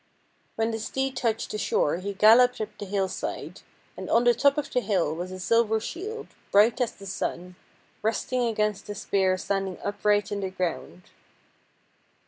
When the steed touched the shore he galloped up the hillside, and on the top of the hill was a silver shield, bright as the sun, resting against a spear standing upright in the ground.